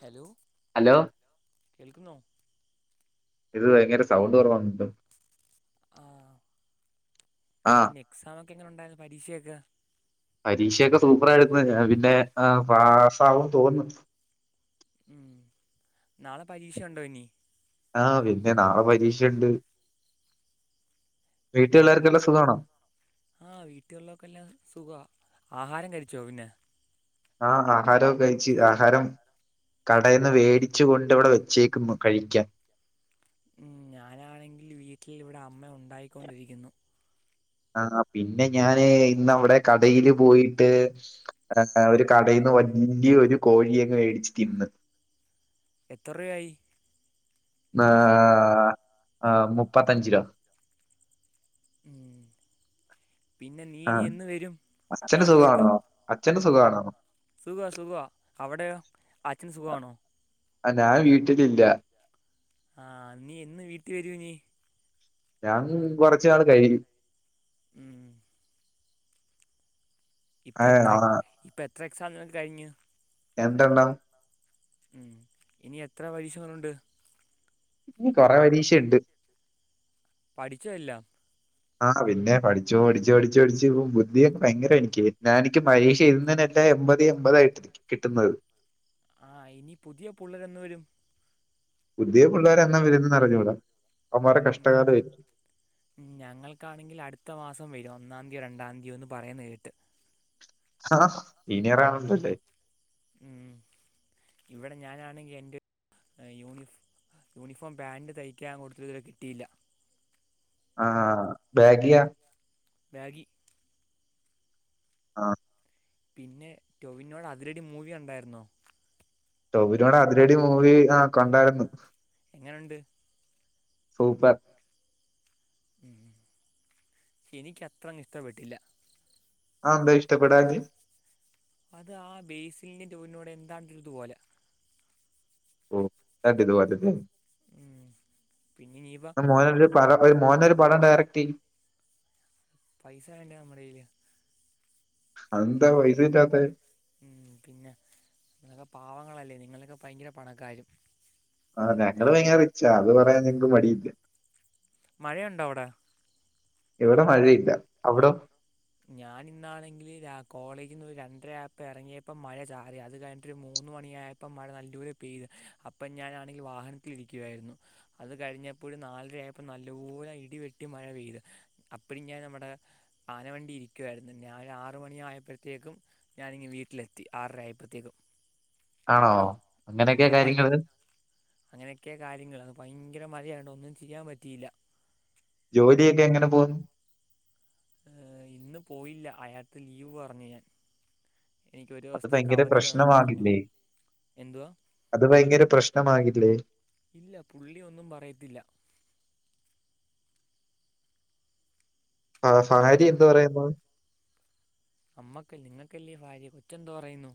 Hello hello കേൾക്ക്ന്നോ ഇത് ഭയങ്കര സൗണ്ട് കൊറവാ [unintelligible] ആ ആ പിന്നെ എക്സമൊക്കെ എങ്ങനെ ഉണ്ടായിര്ന്നു പരീക്ഷക്കെ പരീക്ഷൊക്കെ സൂപ്പർ ആയിര്ന്നു. പിന്നെ പാസാകോന്ന് തോന്ന്ന്നു. മ് നാളെ പരീക്ഷയുണ്ടോ ഇനി ആഹ് പിന്നെ നാളെ പരീക്ഷണ്ട്. ആഹ് വീട്ടില്ള്ളര്ക്കെല്ലാം സുഖാ ആഹാരം കഴിച്ചോ പിന്നെ ആഹ് ആഹാരരോക്കെ കഴിച്ച്. ആഹാരം കടേന്ന് വേടിച്ചു കൊണ്ട് വടെ വെച്ചേക്കുന്നു കഴിക്കാൻ മ് ഞാനാണെങ്കിൽ വീട്ടിൽ ഇവിടെ അമ്മ ഉണ്ടായിക്കൊണ്ടിരിക്കുന്നു ആഹ് പിന്നെ ഞാന് ഇന്നവടെ കടയില് പോയിട്ട് ആഹ് ഒര് കടേന്ന് വല്ല്യോര് കോഴിയങ്ങ് വേടിച്ച് തിന്ന് എത്ര രൂവായി ആഹ് ആ ഹ് മുപ്പത്തഞ്ചിലോ മ് പിന്നെ ആ നീയിനി എന്ന് വെരും അച്ഛന് നാട്ടിലോട്ട് സുഖമാണോ അച്ഛന് സുഖാണോ സുഖ സുഖവാ അവടെയോ അച്ഛന് സുഖാണോ ആഹ് ഞാൻ വീട്ട്ലില്ല. ആഹ് നീ എന്ന് വീട്ടീ വരൂ ഞ്ഞി ഞാൻ കൊറച്ച് നാള് കഴിയും. മ് ഇപ്പ ആ ആ എത്രക് ഇപ്പ എത്ര എക്സാമ്കൾ കഴിഞ്ഞു എന്തെണ്ണം മ് ഇനി എത്ര പരീഷകളുണ്ട് ഇനി കൊറെ പരീക്ഷണ്ട് പഠിച്ചോ എല്ലാം ആഹ പിന്നെ പഠിച്ച് പഠിച്ച് പഠിച്ച് പഠിച്ച് ബുദ്ധിയൊക്കെ ഭയങ്കര എനിക്ക് ഞാ എനിക്ക് പരീക്ഷഎഴ്ത് തന്നെ എമ്പതീ എമ്പതാ കിട്ട്ന്നത് ആഹ് ഇനി പുതിയ പുള്ളെരെന്ന് വെരും പുതിയ പിള്ളേരെന്നാ വര്ന്നേന്നറിഞ്ഞൂട മ് ഞങ്ങൾക്കാണെങ്കി അടുത്ത മാസം ഒന്നാതിയോ രണ്ടാതിയോ എന്ന് പറയുന്നെ കേട്ടു ആഹ് ഇനി അറിയാനൊന്നൂലെ മ് ഇവടെ ഞാനാണെങ്കി എന്റെ യൂണഫ് യൂണിഫോം പാൻറ് തയ്ക്കാൻ കൊട്ത്ത്ട്ട് ഇത് വരെ കിട്ടിയില്ല ആഹ് ബാഗിയാ ബാഗി ആഹ് പിന്നെ ടൊവിനോടെ അതിരടി മൂവി കണ്ടായിര്ന്നോ ടോവിനോടെ അതിരടി മൂവി ആഹ് കൊണ്ടാര്ന്നു. എങ്ങന്ണ്ട് സൂപ്പർ മ് എനിക്ക് അത്രങ്ങ് ഇഷ്ട്ടപ്പെട്ടില്ല. ആഎന്തേ ഇഷ്ട്ടപ്പെടാഞ്ഞ് അത് ആ ബേസിലിന്റെ ടൊവിനോട് എന്താണ്ടൊര് ത്പോലെ ഓ ണ്ടാതിത് പോലെ തന്നേണ് ഉം പിന്നെ ഇനിയിപ്പം [unintelligible] പടം ഡയറക്റ്റിയ്യും പൈസ വേണ്ടേ നമ്മടെയ്യില് അതെന്താ പൈസ കിട്ടാത്തത് ഉം പിന്നെ ങ്ങകെ പാവങ്ങളല്ലേ നിങ്ങളൊക്കെ ഭയങ്കര പണക്കാരും ആ ഞങ്ങള് ഭയങ്കര റിച്ചാ അത് പറയാൻ ഞങ്ങക്ക് മടിയില്ല മഴയുണ്ടോ അവടെ ഇവിടെ മഴയില്ല അവിടൊ ഞാനിന്നാണെങ്കില് രാ കോളേജിന്ന് ഒരു രണ്ടര ആയപ്പോ എറങ്ങിയപ്പോ മഴ ചാറി അത് കഴിഞ്ഞട്ട് ഒരു മൂന്ന മൂന്ന് മണിയായപ്പോം മഴ നല്ലൂരെ പെയ്ത് അപ്പം ഞാനാണെങ്കിൽ വാഹനത്തിൽ ഇരിക്കുവായിരുന്നു അത് കഴിഞ്ഞ പ്പോഴ് നാലരയപ്പോൾ നല്ലോര ഇടിവെട്ടി മഴ പെയ്ത് അപ്പഴും ഞാൻ നമ്മടെ ആനവണ്ടി ണ്ടി ഇരിക്കുവാരുന്നു ഞാൻ ആറു മണി ആയപ്പോഴത്തേക്കും ഞാനിങ്ങ് വീട്ടിലെത്തി ആറര ആയപ്പഴത്തേക്കും ആണോ അങ്ങനെയൊക്കെ കാര്യങ്ങള് അങ്ങനെയൊക്കെ കാര്യങ്ങൾ അത് ഭയങ്കര മഴയാണ് ഒന്നും ചിയ്യാ പറ്റിയില്ല ജോലിയൊക്കെ എങ്ങനെ പോവുന്നു ഹ് ഇന്ന് പോയില്ല അയാക്ക് ലീവ് പറഞ്ഞു ഞാൻ എനിക്ക് ഒരു അത് ദിവസത്തേക്ക് ഭയങ്കര അവധി വേണന്ന് പറഞ്ഞു പ്രശ്നമാകില്ലേ എന്തുവാ അത് ഭയങ്കര പ്രശ്നമാകില്ലേ ഇല്ല പുള്ളിയൊന്നും പറയത്തില്ല ആ ഫാര്യ പിന്നെ എന്ത്‌ പറയുന്നു അമ്മക്ക് നിങ്ങക്കല്ലേ ഫാര്യ കൊച്ചെന്തു പറയുന്നു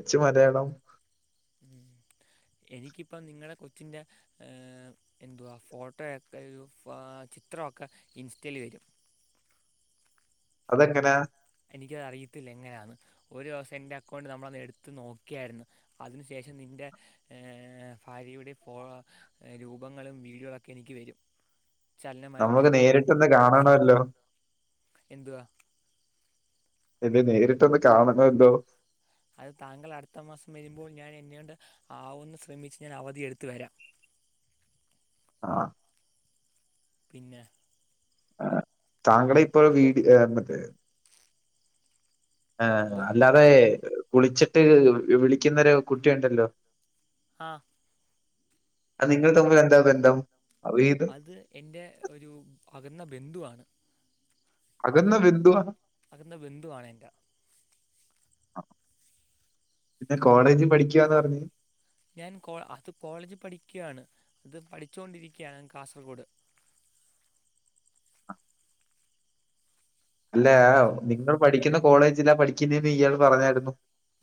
കൊച്ച് മലയാളം ഉം എനിക്കിപ്പ നിങ്ങളടെ കൊച്ചിന്റെ ഹ് എന്തുവാ ഫോട്ടോയൊക്കെ ഒരു ഫാ ചിത്രമൊക്കെ ഇൻസ്റ്റെൽ വരും അതെങ്ങനാ എനിക്കതറിയത്തില്ല എങ്ങനാന്ന് ഒരോസം എൻ്റെ അക്കൗണ്ട് നമ്മളന്ന് എടുത്ത് നോക്കിയാരുന്നു അതിനു ശേഷം നിന്നെ ന്റെ ഏ ഫാര്യയുടെ ഫോണാ രൂപങ്ങളും വീഡിയോളൊക്കെ എനിക്ക് വരും [inaudible] വീഡിയോ നമുക്ക് എനിക്ക് വരും നേരിട്ടൊന്ന് കാണണല്ലോ എന്തുവാ തന്നെ നേരിട്ടൊന്ന് കാണണല്ലോ അത് താങ്കൾ അടുത്ത മാസം വരുമ്പോൾ ഞാൻ എന്നോണ്ട് ആവൂന്ന് ശ്രമിച്ച് ഞാൻ അവധിയെടുത്ത് വരാം [inaudible] ആ പിന്നെ ആ താങ്കളിപ്പോൾ വീട് ഏ മറ്റേ ആ എന്തുവാ അല്ലാതെ വുളിച്ചിട്ട് വിളിക്കുന്ന ഒരു കുട്ടിയുണ്ടല്ലോ ആ അത് നിങ്ങൾ തമ്മിൽ എന്താ ബന്ധം അത് എന്റെ ഒരു അകന്ന ബന്ധുവാണ് അകന്ന ബന്ധുവാ അകന്ന ബന്ധുവാണ് എന്റെ അ പിന്നെ കോളേജിൽ പഠിക്കുവാന്ന് പറഞ്ഞു ഞാൻ കോ അത് കോളേജിൽ പഠിക്കുആണ് അത് പഠിച്ചുകൊണ്ടിരിക്കാണ് കാസർഗോഡ് അല്ലയാ കോളേജ് നിങ്ങൾ പഠിക്കുന്ന കോളേജിലാ പഠിക്കുന്നെന്ന് ഇയാൾ പറഞ്ഞായിരുന്നു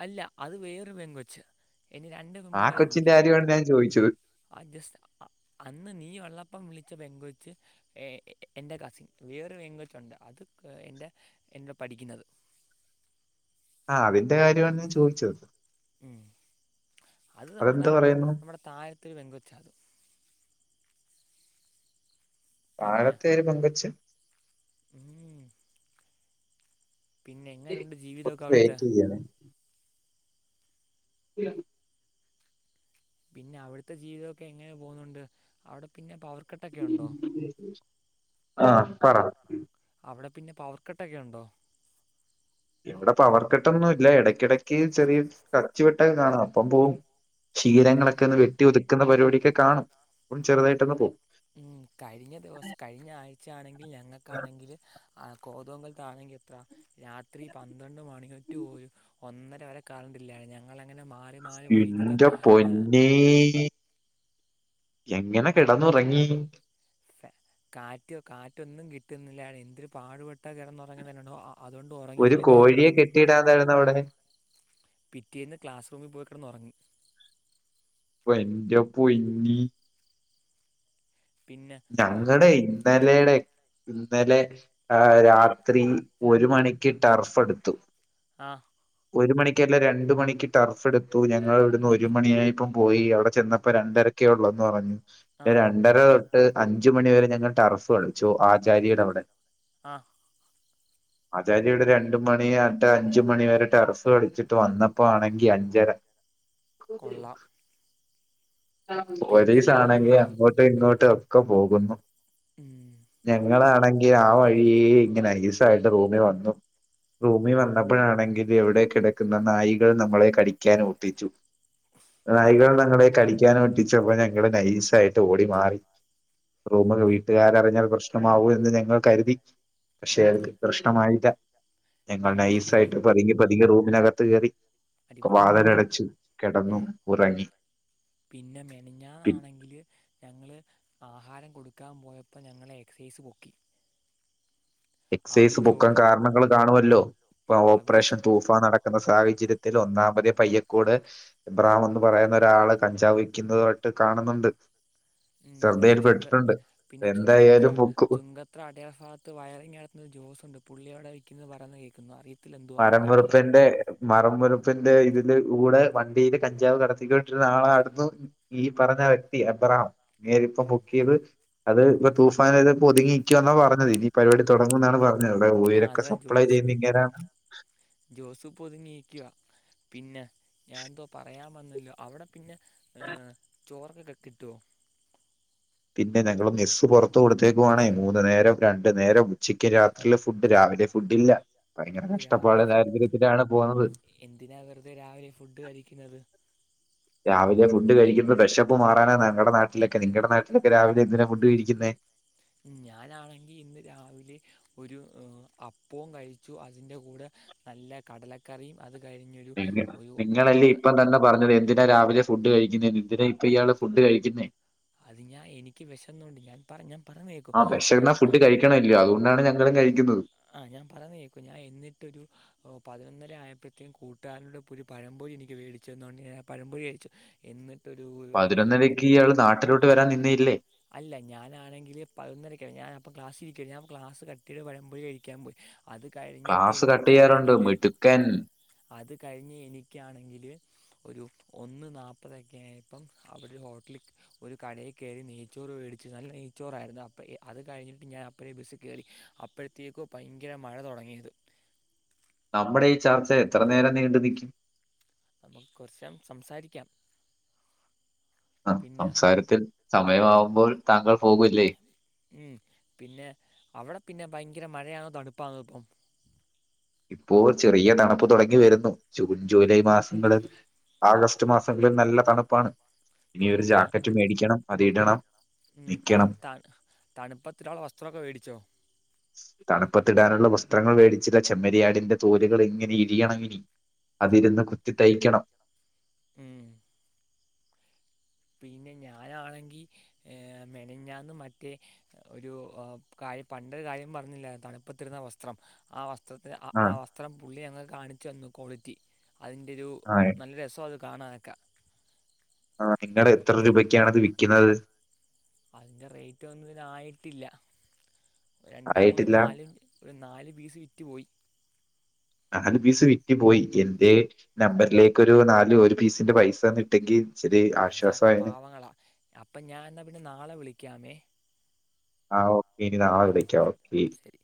അല്ല അത് വേറേ പെൺകൊച്ച് ആ കൊച്ചിന്റെ കാര്യമാണ് ഞാൻ ചോയി ആ ജസ് അ അന്ന് നീ ഒള്ളപ്പം വിളി പെൺകൊച്ച് എ എന്റെ കസിൻ വേറൊരു പെൺകൊച്ചുണ്ട് അത് എന്റെ എന്റെ പഠി ക്കുന്നത് ആഹ് അതിന്റെ കാര്യമാണ് ഞാൻ ചോദിച്ചത് ഉം അത് നമ്മടെ അതെന്താ പറയുന്നു നമ്മടെ താഴത്തൊര് പെൻകൊച്ചാ അതും പിന്നെ താഴത്തെ ഒരു പെൺകൊച്ച് ഉം പിന്നെ എങ്ങനുണ്ട് ജീവിതൊക്കെ ഒന്ന് അവിടുത്തെ വെയിറ്റ് ചെയ്യണേ. [unintelligible] പിന്നെ അവിടുത്തെ ജീവിതൊക്കെ എങ്ങനെ പോകുന്നുണ്ട് അവിടെ പിന്നെ പവർ കട്ടൊക്കെ ഉണ്ടോ ആ പറ അവിടെ പിന്നെ പവർ കട്ടൊക്കെ ഉണ്ടോ ഇവിടെ പവർക്കെട്ടൊന്നു ഇല്ല ഇടക്കിടക്ക് ചെറിയ ടച്ച് വെട്ടക്കെ കാണും അപ്പം പോവും ക്ഷീരങ്ങളൊക്കെ ഒന്ന് വെട്ടി ഒതുക്കുന്ന പരിപാടൊക്കെ കാണും അപ്പം ചെറുതായിട്ടൊന്ന് പോകും ഉം കഴിഞ്ഞ ദിവസം കഴിഞ്ഞ ആഴ്ച ആണെങ്കിൽ ഞങ്ങക്കാണെങ്കില് ആ കോതുമങ്കലത്താണെങ്കി എത്ര രാത്രി പന്ത്രണ്ട് മണിറ്റ് [unintelligible] ഒന്നര വരെ കറണ്ടില്ലാരുന്നു ഞങ്ങളെ എന്റെ പൊന്നേ എങ്ങനെ കിടന്നുറങ്ങി കാറ്റ് കാറ്റൊന്നും കിട്ടുന്നില്ലാണ് എന്തിരു പാടുപെട്ട കിറന്നുറങ്ങണ [unintelligible] അതുകൊണ്ട് ഒരു ഉറങ്ങിയില്ല പി കോഴിയെ കെട്ടിയിടാതായിരുന്നു അവിടെ. പിറ്റേന്ന് ക്ലാസ് റൂമിൽ പോയി കെടന്നൊറങ്ങി വന്റെ പൊന്നി പിന്നെ ഞങ്ങടെ ഇന്നലെടെ ഇന്നലെ ആ രാത്രി ഒരു മണിക്ക് ടർഫ് എടുത്തു ആ ഒരു മണിക്കക്കല്ല രണ്ട് മണിക്ക് ടർഫ് എടുത്തു ഞങ്ങൾ ഇവിടുന്ന് ഒരു മണിയായിപ്പം പോയി അവിടെ ചെന്നപ്പോ രണ്ടര ക്കെയൊള്ളന്ന് പറഞ്ഞ് ആ രണ്ടര തൊട്ട് അഞ്ച് മണി വരെ ഞങ്ങൾ ടർഫ് കളിച്ചു ആചാരീടവിടെ അ ആചാര്യട് രണ്ട് മണി ട്ട് അഞ്ച് മണി വരെ ടെർഫ് [unintelligible] കൊള്ളാം പിന്നെ പോലീസ് ആണെങ്കി അങ്ങോട്ടും ഇങ്ങോട്ടും ഒക്കെ പോകുന്നു ഉം, ഞങ്ങളാ ണെങ്കി ആ വഴി ഇങ്ങനെ നൈസായിട്ട് റൂമെ വന്നു റൂമി വന്നപ്പോഴാണെങ്കിൽ എവിടെ കിടക്കുന്ന നായികൾ നമ്മളെ കടിക്കാൻ ഓട്ടിച്ചു ഉം. നായികൾ ഞങ്ങളെ കടിക്കാനും ഒട്ടിച്ചപ്പോ ഞങ്ങള് നൈസായിട്ട് ഓടി മാറി റൂമില് പി- വീട്ടുകാരറിഞ്ഞാൽ പ്രശ്നമാവും എന്ന് ഞങ്ങൾ കരുതി പക്ഷെ ഉം, അത് പ്രശ്നമായില്ല ഞങ്ങൾ പിന്നെ നൈസായിട്ട് മെനഞ്ഞ പതിങ്ങി പതിങ്ങി റൂമിനകത്ത് കയറി അടിപൊളി വാതിലടച്ചു കിടന്നും ഉം. ഉറങ്ങി പിന്നെ പി മെനഞ്ഞാന്നാണെങ്കില് ഞങ്ങള് ആഹാരം കൊടുക്കാൻ പോയപ്പ ഞങ്ങളെ എക്സൈസ് പൊക്കി അവർ എക്സൈസ് ചോ പൊക്കാൻ കാരണങ്ങൾ കാണുമല്ലോ ഇപ്പൊ അവർ ചോ ഓപ്പറേഷൻ തൂഫാൻ നടക്കുന്ന സാഹ ചര്യത്തിൽ ഒന്നാമത് പയ്യക്കോട് എബ്രഹാം എന്ന് പറയുന്ന ഒരാള് കഞ്ചാവ് വിക്കുന്നായിട്ട് കാണുന്നൊ ണ്ട് ഉം പിന്നെ ചുങ്ക പിന്നെ ചുങ്കത്ര എന്തായാലും പൊക്കും ചുങ്കത്ര അടയാർ ഭാഗത്ത് വയറിങ്ടത്തുന്ന ജോസ് ഉണ്ട് പുള്ളി അവിടെ വിക്കുന്നത് പറയുന്നത് കേക്കുന്നു അറി മരം വറുപ്പിന്റെ മരം വറുപ്പ് പ്പന്റെ ഇതില് കൂടെ വണ്ടിയില് കഞ്ചാവ് കടത്തിക്കോട്ടിരുന്നാ ആളായിരുന്നു ഈ പറഞ്ഞ വ്യക്തി പറ നേരിപ്പം ഉം പെക്കിയത് അത് ഇപ്പം തൂഫാനത് ഒതുങ്ങി നിക്കുവന്നാ പറഞ്ഞത് ഇനി ഈ പരിപാടി തുടങ്ങും എന്നാണ് പറഞ്ഞത് വിടെ ഉയരൊക്കെ സപ്ലൈ ചെയ്യുന്ന ഇങ്ങനെ ജോസുഫ് ഒതുങ്ങിയിക്കവാ പിന്നെ ഞാൻ എന്തോ പറയാൻ വന്നല്ലോ അവിടെ പിന്നെ ചോറക്കെ കെട്ടിട്ടേ പിന്നെ ഞങ്ങള് മിസ്സ് പുറത്ത കൊടുത്തേക്കുവാണേ മൂന്ന് നേരം രണ്ട് നേരം ഉച്ചിക്കക്ക് രാത്രിയിലെ ഫുഡ് രാവിലെ ഫുഡ് ഇല്ല ഓ രാവിലെ ഫുഡ് എന്തിനാ വെറുതെ രാവിലെ ഫുഡ് കഴിക്കുന്നത് രാവിലെ ഫുഡ് കഴിക്കുന്നത് വിശപ്പ് മാറാനാ ഞങ്ങളുടെ നാട്ടിലൊക്കെ നിങ്ങളുടെ നാട്ടിലൊക്കെ രാവിലെ എന്തിനാണ് ഫുഡ് കഴിക്കുന്നേ ഞനാണെങ്കി ഇന്ന് രാവിലെ ഒരു അപ്പവും കഴിച്ചു അതിന്റെ കൂടെ നല്ല കടലക്കറിയും അത് കഴിഞ്ഞൊരു ഒരു നിങ്ങല്ലേ ഒമ്പത് ഇപ്പം തന്നെ പറഞ്ഞത് എന്തിനാ രാവിലെ ഫുഡ് കഴിക്കുന്നേ എന്തിനാ ഇപ്പൊ ഇയാള ഫുഡ് കഴിക്കുന്നേ അത് ഞാൻ എനിക്ക് വിശന്നൊണ്ട് ഞാൻ പറഞ്ഞാ ഞാൻ പറഞ്ഞേക്കൂ ഹാരം കഴിക്കുന്നു ആ ഞാൻ പറയുന്ന കേക്കു ഞാൻ എന്നിട്ടൊരു പതിനൊ ആയപ്പോഴത്തേും കൂട്ടുകാരോന്റ പ്പൊരു പഴം പൊരി എനിക്ക് വേടിചെന്നോട് ഞാൻ പഴംപൊരി കഴിച്ചു എന്നി പതിനൊന്നരക്ക് ഇയാൾ നാട്ടിലോട്ട് വരാൻ നിന്നയില്ലേ അല്ല ഞാനാണെങ്കില് പതിനൊന്നരക്ക ഞാ അപ്പൊ ക്ലാസ് ഇരിക്ക ഞാൻ ക്ലാസ് കട്ട് പഴംപൊരി കഴിക്കാൻ പോയി അത് കഴിഞ്ഞിട്ട് ക്ലാസ് കട്ട്യ്യാറുണ്ട് എനിക്കാണെങ്കിൽ മിടുക്കൻ അത് കഴിഞ്ഞ് എനിക്കാണെങ്കി ഒരു ഒന്ന് നാപ്പതൊക്കെ ആയപ്പോ അവര് ഹോട്ട ഒരു കടയെ കയറി നെയ് ച്ചോറ് മേടിച്ച് നല്ല നെയ്ചോറായിരുന്നു അപ്പഴത്തേക്കും കഴിഞ്ഞിട്ട് ഞാൻ അപ്പഴേയും ബസ്സ് കയറി അപ്പോഴത്തേക്കും ഭയങ്കര മഴ തുടങ്ങിയത് നമ്മുടെ ഈ ചർച്ച എത്ര നേരം നീണ്ടു നിക്കും നമുക്ക് കുറച്ച് സംസാരിക്കാം ആ പിന്നെ സംസാരത്തിൽ സമയമാവുമ്പോൾ താങ്കൾ പോകൂലെ ഉം പിന്നെ അവിടെ പിന്നെ ഭയങ്കര മഴയാണോ തണുപ്പാണോ ഇപ്പം ഇപ്പോൾ ചെറിയ തണുപ്പ് തുടങ്ങി വരുന്നു ജൂൺ ജൂലൈ മാസങ്ങളിൽ ആഗസ്റ്റ് മാസങ്കിലും നല്ല തണുപ്പാണ് ഇനി ഉം, ഒരു താ ജാക്കറ്റ് മേടിക്കണം അത് ഇടണം ഉം നിക്കണം താൻ ത തണുപ്പ് ഇടാനുള്ള വസ്ത്രമൊക്കെ മേടിച്ചോ തണുപ്പത്തിടാനുള്ള വസ്ത്രങ്ങൾ മേടിച്ചില്ല ചെമ്മരിയാടിന്റെ തോലുകൾ എങ്ങനെ ഇരിയണം ഇനി അതിരുന്ന് കുത്തി തയ്ക്കണം ഉം പിന്നെ ഞാനാണെങ്കി മെനഞ്ഞാന്ന് മറ്റേ ഒരു ആഹ് കാ പണ്ട കാര്യം പറഞ്ഞില്ലേ തണുപ്പത്തിടുന്ന വസ്ത്ര ആ വസ് ത്രം വസ്ത്രത്തിന് ആ ആഹ് വസ്ത്രം പുള്ളി ഞങ്ങൾ ക്ക് കാണിച്ചു തന്നു ക്വാളിറ്റി അതിൻന്റെരു ആഹ് ഒരു നല്ല രസം അത് കാണാനെക്കെ ആ നിങ്ങള് എത്ര രൂപക്കാണ്ത് വിക്കുന്നത് അതിന്റെ റേറ്റ് ഒന്നും ഇത് ആയിട്ടില്ല രണ്ട് മൂന്ന് ആയിട്ടില്ല നല് ഒരു നാല് പീസ് വിറ്റു പോയി നാലു പീസ് വിറ്റ് പോയി എന്റെ നമ്പറിലേക്ക് ഒരു നാല് ഒരു പീസിന്റെ പൈസഒന്ന് ഇട്ടേക്ക് ഞങ്ങളൊക്കെ പാവങ്ങളാ അപ്പൊ ഞാൻ എന്നാ പിന്നെ നാളെ വിളിക്കാമേ ആഹ് ഓക്കേ ഇനി നാളേ ഓക്കെ വിളിക്കാം ഓക്കേ ശരി